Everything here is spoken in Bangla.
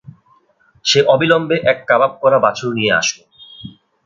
সে অবিলম্বে এক কাবাব করা বাছুর নিয়ে আসল।